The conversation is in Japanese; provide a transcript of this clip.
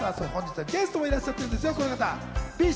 そして本日はゲストもいらっしゃってるんですよ。